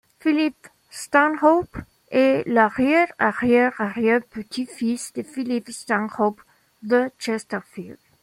Philip Stanhope est l'arrière-arrière-arrière-petit-fils de Philip Stanhope, de Chesterfield.